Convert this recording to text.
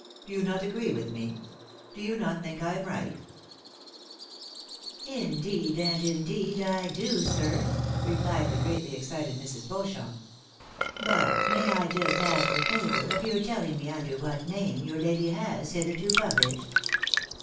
Do you not agree with me ? Do you not think I am right ?"" Indeed, and indeed, I do, sir !" replied the greatly excited Mrs. Beauchamp ;" but may I just ask you the favour of telling me under what name your lady has hitherto published